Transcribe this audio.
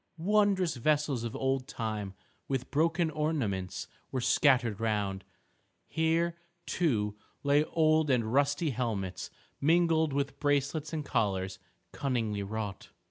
Wondrous vessels of old time with broken ornaments were scattered round. Here, too, lay old and rusty helmets, mingled with bracelets and collars cunningly wrought.